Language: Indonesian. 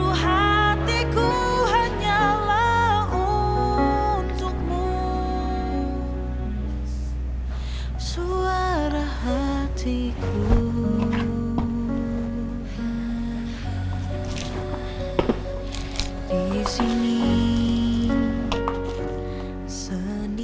ada bahan alafari untuk aku